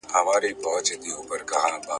او نورو په درجه ورته قایل دي !.